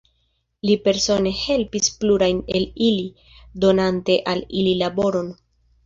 Li persone helpis plurajn el ili, donante al ili laboron.